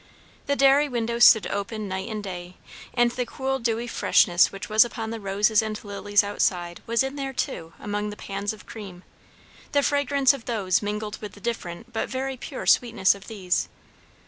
The dairy window stood open night and day; and the cool dewy freshness which was upon the roses and lilies outside was in there too among the pans of cream; the fragrance of those mingled with the different but very pure sweetness of these.